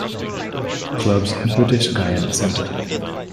Club's British Guiana Centre.